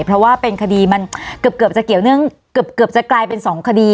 เพราะว่าเป็นคดีมันเกือบจะกลายเป็น๒คดี